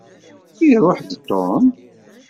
Iṛuḥ-d Tom?